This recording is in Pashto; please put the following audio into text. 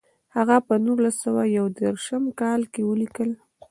هغه په نولس سوه یو دېرش کال کې ولیکل.